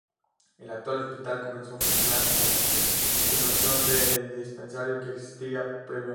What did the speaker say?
El actual Hospital comenzó a funcionar como continuación del dispensario que existía previamente.